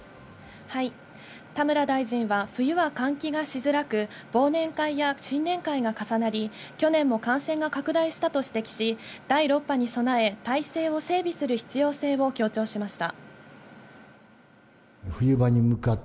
田村大臣は冬が換気がしづらく、忘年会や新年会が重なり去年も感染が拡大したと指摘し、第６波に備え、体制を整備する必要性を強調しました。